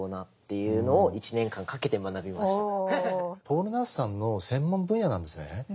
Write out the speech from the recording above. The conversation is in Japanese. ポール・ナースさんの専門分野なんですね。